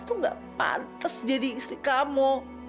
tuh gak pantas jadi istri kamu